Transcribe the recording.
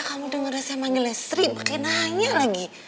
kamu dengerin saya manggilnya istri pake nanya lagi